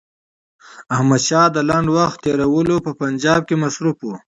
احمدشاه د لنډ وخت تېرولو په پنجاب کې مصروف وو.